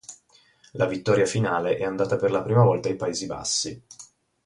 La vittoria finale è andata per la prima volta ai Paesi Bassi.